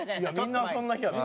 みんなそんな日やった。